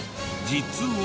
実は。